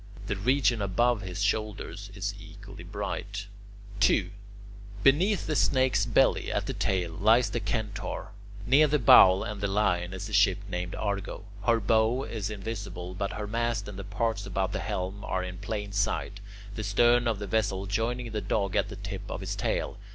The region above his shoulders is equally bright. 2. Beneath the Snake's belly, at the tail, lies the Centaur. Near the Bowl and the Lion is the ship named Argo. Her bow is invisible, but her mast and the parts about the helm are in plain sight, the stern of the vessel joining the Dog at the tip of his tail.